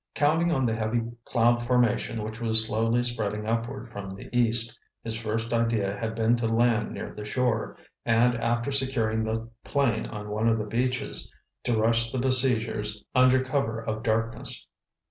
Counting on the heavy cloud formation which was slowly spreading upward from the east, his first idea had been to land near the shore, and after securing the plane on one of the beaches, to rush the besiegers under cover of darkness.